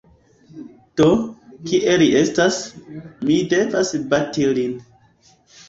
Do, kie li estas; mi devas bati lin